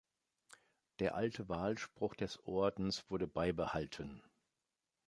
Der alte Wahlspruch des Ordens wurde beibehalten.